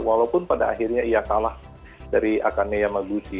walaupun pada akhirnya ia kalah dari akane magusi